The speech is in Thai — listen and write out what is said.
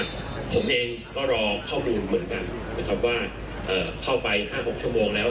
ผมเองก็รอข้อมูลเหมือนกันนะครับว่าเข้าไป๕๖ชั่วโมงแล้ว